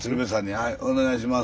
はいお願いします。